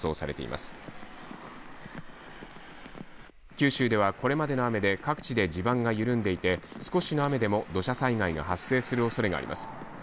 九州ではこれまでの雨で各地で地盤が緩んでいて少しの雨でも土砂災害が発生するおそれがあります。